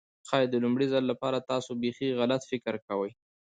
ښايي د لومړي ځل لپاره تاسو بيخي غلط فکر کوئ.